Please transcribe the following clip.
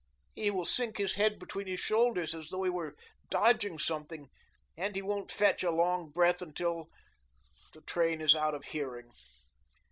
He will sink his head between his shoulders, as though he were dodging something, and he won't fetch a long breath again till the train is out of hearing.